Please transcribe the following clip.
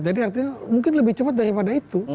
jadi artinya mungkin lebih cepat daripada itu